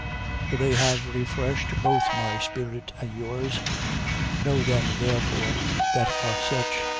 16:18. For they have refreshed both my spirit and yours. Know them, therefore, that are such.